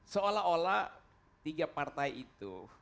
seolah olah tiga partai itu